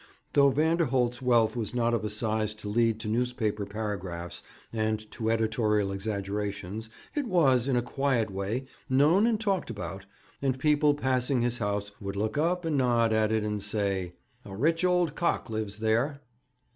Though Vanderholt's wealth was not of a size to lead to newspaper paragraphs and to editorial exaggerations, it was, in a quiet way, known and talked about, and people passing his house would look up and nod at it, and say: 'A rich old cock lives there.'